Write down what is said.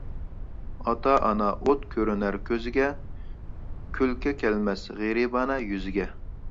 ئاتا ئانا ئوت كۆرۈنەر كۆزىگە، كۈلكە كەلمەس غېرىبانە يۈزىگە.